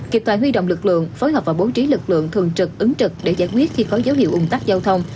kịp thời huy động lực lượng phối hợp và bố trí lực lượng thường trực ứng trực để giải quyết khi có dấu hiệu ủng tắc giao thông